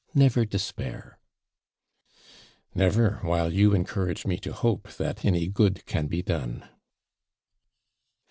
Never despair.' 'Never, while you encourage me to hope that any good can be done.'